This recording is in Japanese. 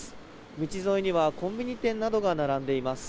道沿いにはコンビニ店などが並んでいます。